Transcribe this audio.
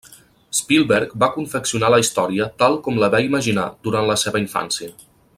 Spielberg va confeccionar la història tal com la va imaginar durant la seva infància.